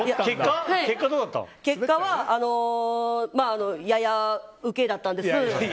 結果は、ややウケだったんです。